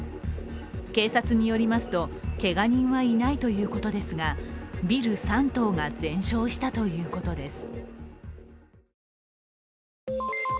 警察によりますとけが人はいないということですがビル３棟が全焼したということです